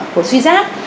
của suy giác